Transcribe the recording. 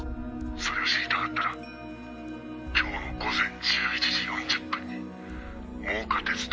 「それを知りたかったら今日の午前１１時４０分に真岡鐵道